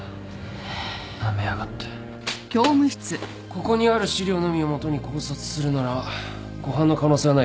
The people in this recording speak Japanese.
ここにある資料のみを基に考察するなら誤判の可能性はない。